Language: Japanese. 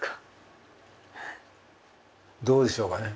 どうでしょうかね？